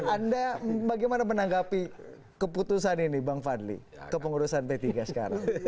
anda bagaimana menanggapi keputusan ini bang fadli kepengurusan p tiga sekarang